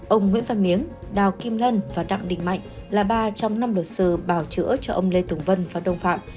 ông nguyễn văn miếng đào kim lân và đặng đình mạnh là ba trong năm luật sư bảo chữa cho ông lê tùng vân và đồng phạm